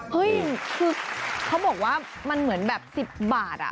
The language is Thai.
เฮ้ยคือเขาบอกว่ามันเหมือนแบบ๑๐บาท